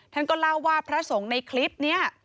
ท่านก็เล่าว่าพระสงฆ์ในคลิปนี้